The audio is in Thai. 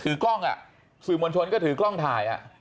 กล้องสื่อมวลชนก็ถือกล้องถ่าย